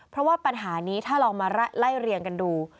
เพราะว่าปัญหานี้ถ้าลองมาไล่เรียงกันดู